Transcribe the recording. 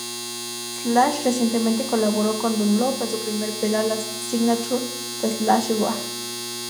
Slash recientemente colaboró con Dunlop en su primer pedal signature: "The Slash Wah".